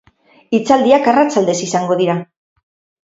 Hitzaldiak arratsaldez izango dira.